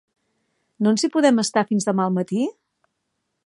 ¿No ens hi podem estar fins a demà al matí?